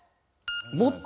もっと？